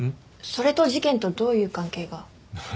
それと事件とどういう関係が？